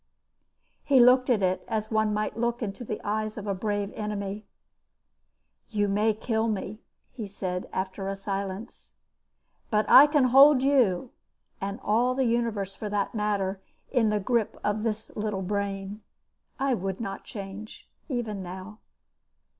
He looked at it as one might look into the eyes of a brave enemy. "You may kill me," he said after a silence. "But I can hold you and all the universe for that matter in the grip of this little brain. I would not change. Even now."